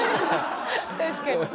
確かに。